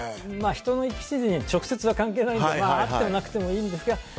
人の生き死にに直接は関係ないのであってもなくてもいいんですけど。